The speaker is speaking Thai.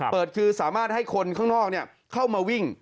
เปิดคือสามารถให้คนข้างนอกเข้ามาวิ่ง